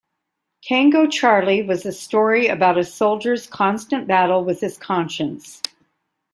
Tango Charlie was a story about a soldier's constant battle with his conscience.